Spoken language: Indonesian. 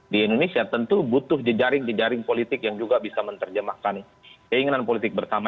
di indonesia tentu butuh jejaring jejaring politik yang juga bisa menerjemahkan keinginan politik bersama